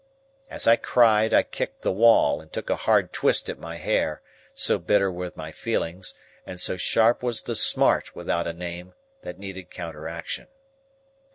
As I cried, I kicked the wall, and took a hard twist at my hair; so bitter were my feelings, and so sharp was the smart without a name, that needed counteraction.